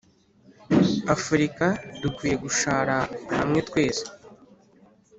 afurika dukwiye gushara hamwe twese